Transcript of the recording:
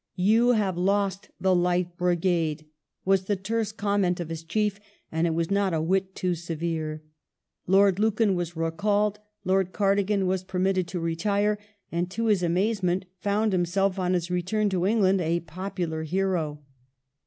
" You have lost the Light Brigade," was the terse comment of his chief, and it was not a whit too severe. Lord Lucan was recalled ; Lord Cardigan was permitted to retire, and to his amazement found himself on his return to England a popular hero.